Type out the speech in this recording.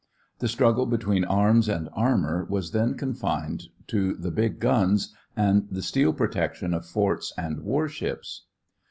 The struggle between arms and armor was then confined to the big guns and the steel protection of forts and war ships.